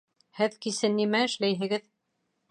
Һеҙ кисен нимә эшләйһегеҙ?